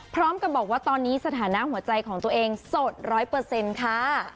พร้อมกับบอกว่าตอนนี้สถานะหัวใจของตัวเองสดร้อยเปอร์เซ็นต์ค่ะ